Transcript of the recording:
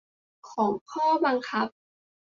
ของข้อบังคับ